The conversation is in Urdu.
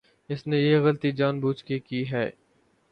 اس نے یہ غلطی جان بوجھ کے کی ہے۔